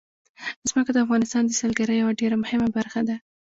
ځمکه د افغانستان د سیلګرۍ یوه ډېره مهمه برخه ده.